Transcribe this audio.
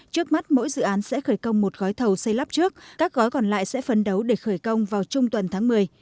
trước mắt mỗi dự án sẽ khởi công một gói thầu xây lắp trước các gói còn lại sẽ phấn đấu để khởi công vào trung tuần tháng một mươi